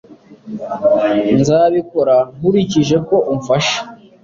Nzabikora nkurikije ko umfasha